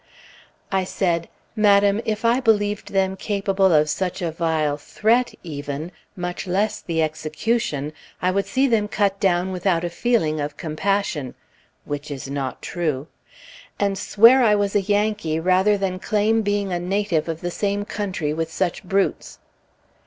I said, "Madam, if I believed them capable of such a vile threat, even, much less the execution, I would see them cut down without a feeling of compassion" (which is not true), "and swear I was a Yankee rather than claim being a native of the same country with such brutes."